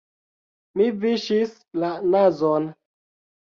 Mi viŝis la nazon.